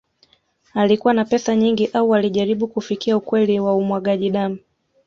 Alikuwa na pesa nyingi au alijaribu kufikia ukweli wa umwagaji damu